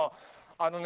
あのね